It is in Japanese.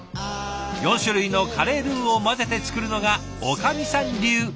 ４種類のカレールーを混ぜて作るのがおかみさん流なんだとか。